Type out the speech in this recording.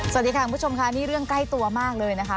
สวัสดีค่ะคุณผู้ชมค่ะนี่เรื่องใกล้ตัวมากเลยนะคะ